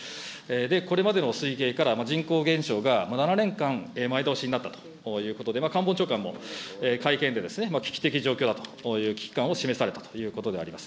これまでの推移から人口減少が７年間前倒しになったということで、官房長官も会見で危機的状況だという危機感を示されたということであります。